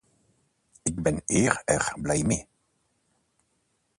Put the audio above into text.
Ik ben hier erg blij mee.